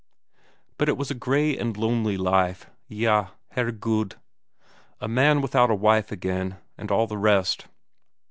But it was a grey and lonely life; eyah, Herregud! a man without a wife again, and all the rest....